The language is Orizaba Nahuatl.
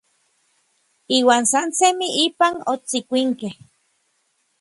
Iuan san semij ipan otsikuinkej.